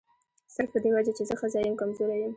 صرف په دې وجه چې زه ښځه یم کمزوري یم.